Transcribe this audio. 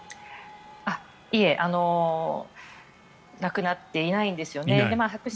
いえなくなっていないんですよね。